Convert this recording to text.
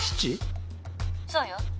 そうよ。